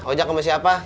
hojak sama siapa